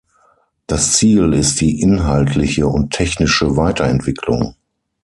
Das Ziel ist die inhaltliche und technische Weiterentwicklung.